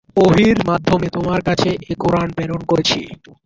ওহীর মাধ্যমে তোমার কাছে এ কুরআন প্রেরণ করেছি।